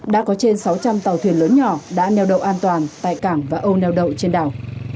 đã có trên sáu trăm linh tàu thuyền lớn nhỏ đã neo đậu an toàn tại cảng và âu neo đậu trên đảo